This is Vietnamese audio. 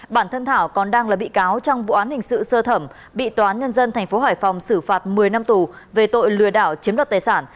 bản thân thảo còn đang là bị cáo trong vụ án hình sự sơ thẩm bị tòa án nhân dân tp hải phòng xử phạt một mươi năm tù về tội lừa đảo chiếm đoạt tài sản